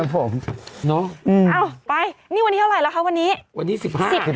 อ้าวไปนี่วันนี้เท่าไรแล้วคะวันนี้วันนี้๑๕นาที